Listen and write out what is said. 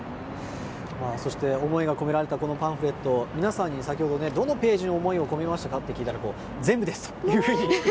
そして、思いが込められたこのパンフレット皆さんに先ほど、どのページに思いを込めましたかって聞いたら「全部です」というふうに。